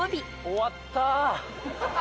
終わった。